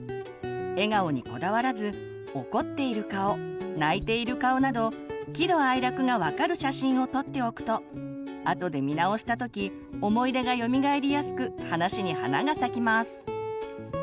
笑顔にこだわらず怒っている顔泣いている顔など喜怒哀楽が分かる写真を撮っておくとあとで見直した時思い出がよみがえりやすく話に花が咲きます。